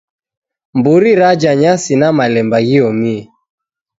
Mburi raja nyasi na malemba ghiomie.